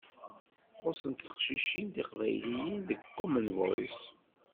Xuṣṣent teqcicin tiqbayliyin deg Common Voice.